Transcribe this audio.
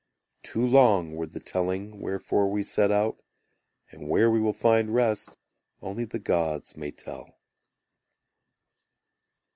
"Too long were the telling Wherefore we set out; And where we will find rest Only the Gods may tell."